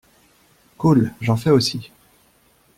Cool, j'en fait aussi.